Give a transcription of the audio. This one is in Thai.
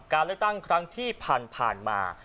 การเลือกตั้งครั้งที่ผ่านมา